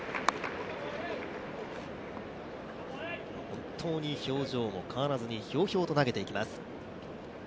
本当に表情も変わらずにひょうひょうと投げていきます。